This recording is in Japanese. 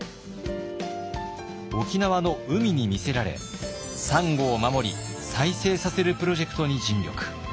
沖縄の海に魅せられサンゴを守り再生させるプロジェクトに尽力。